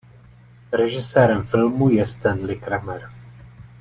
Režisérem filmu je Stanley Kramer.